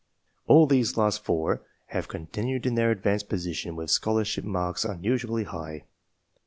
All these last four have con tinued in their advanced position with scholarship marks unusually high.